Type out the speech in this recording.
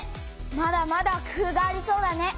まだまだ工夫がありそうだね。